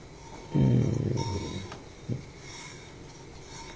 うん。